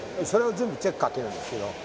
それを全部チェックかけるんですけど。